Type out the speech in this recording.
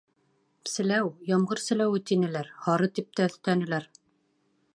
— Селәү, ямғыр селәүе тинеләр, һары тип тә өҫтәнеләр.